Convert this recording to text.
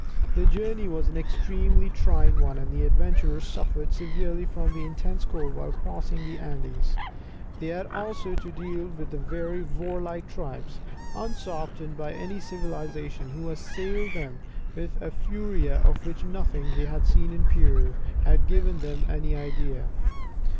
The journey was an extremely trying one, and the adventurers suffered severely from intense cold whilst crossing the Andes; they had also to deal with very warlike tribes, unsoftened by any civilization, who assailed them with a furia of which nothing they had seen in Peru had given them any idea.